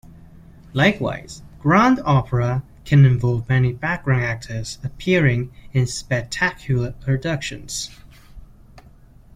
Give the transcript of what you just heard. Likewise, grand opera can involve many background actors appearing in spectacular productions.